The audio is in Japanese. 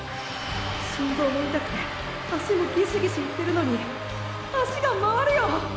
心臓も痛くて脚もギシギシいってるのに脚が回るよ！